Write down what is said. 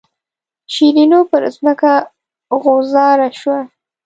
شیرینو پر ځمکه غوځاره شوه.